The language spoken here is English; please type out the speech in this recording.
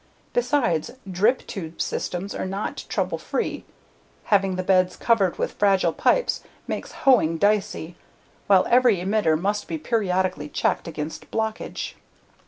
Besides, drip tube systems are not trouble free: having the beds covered with fragile pipes makes hoeing dicey, while every emitter must be periodically checked against blockage.